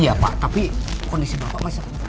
iya pak tapi kondisi bapak masih apa